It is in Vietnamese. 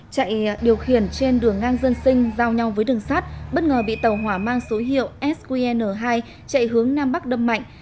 chạy điều khiển trên đường ngang dân sinh giao nhau với đường sát bất ngờ bị tàu hỏa mang số hiệu sqn hai chạy hướng nam bắc đâm mạnh